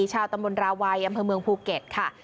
ชาวตำบลราวัยอำเภอเมืองภูเก็ตค่ะ